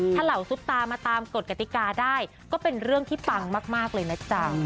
ถ้าเหล่าซุปตามาตามกฎกติกาได้ก็เป็นเรื่องที่ปังมากเลยนะจ๊ะ